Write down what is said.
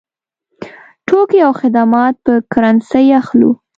توکي او خدمات په کرنسۍ اخلو.